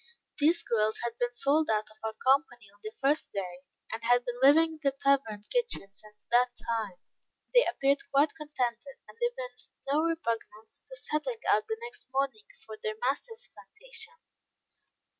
These girls had been sold out of our company on the first day; and had been living in the tavern kitchen since that time. They appeared quite contented, and evinced no repugnance to setting out the next morning for their master's plantation.